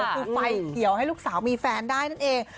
คือไฟเขียวให้ลูกสาวมีแฟนได้นั่นเอง